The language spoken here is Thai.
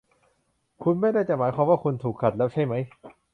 คุณไม่ได้จะหมายความว่าคุณถูกกัดแล้วใช่มั้ย ?